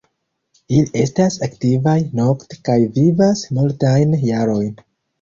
Ili estas aktivaj nokte kaj vivas multajn jarojn.